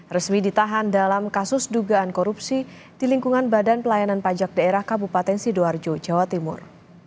resmi ditahan dalam kasus dugaan korupsi di lingkungan badan pelayanan pajak daerah kabupaten sidoarjo jawa timur